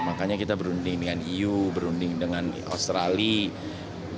makanya kita berunding dengan eu berunding dengan australia